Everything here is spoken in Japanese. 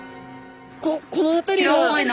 この辺りは。